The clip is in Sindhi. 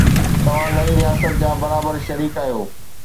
توهان نئين رياست جا برابر شهري آهيو.